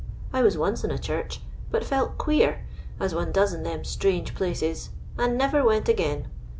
I was once in a church, but felt queer, as one does in them strange places, and never went again.